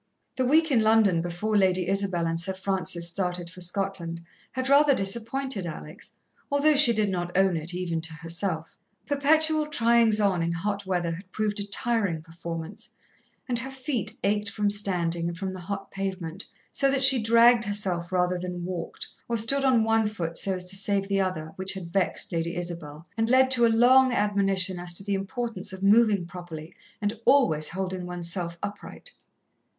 The week in London before Lady Isabel and Sir Francis started for Scotland had rather disappointed Alex, although she did not own it, even to herself. Perpetual "tryings on" in hot weather had proved a tiring performance, and her feet ached from standing and from the hot pavement, so that she dragged herself rather than walked, or stood on one foot so as to save the other, which had vexed Lady Isabel, and led to a long admonition as to the importance of moving properly and always holding oneself upright.